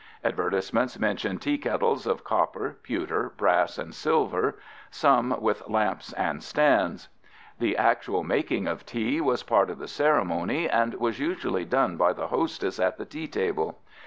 Advertisements mention teakettles of copper, pewter, brass, and silver, some "with lamps and stands." The actual making of tea was part of the ceremony and was usually done by the hostess at the tea table.